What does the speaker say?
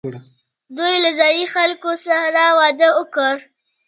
دوی له ځايي خلکو سره واده وکړ